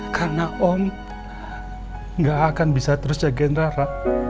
karena om gak akan bisa terus jagain rara